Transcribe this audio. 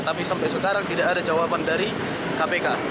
tapi sampai sekarang tidak ada jawaban dari kpk